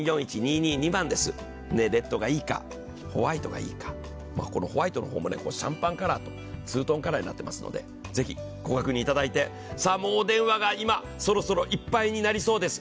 レッドがいいか、ホワイトがいいかホワイトはシャンパンカラーとツートンカラーになっていますので、ぜひご確認いただいて、お電話がそろそろいっぱいになりそうです。